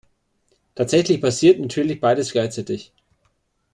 Tatsächlich passiert natürlich beides gleichzeitig.